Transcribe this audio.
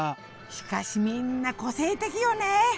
しかしみんな個性的よね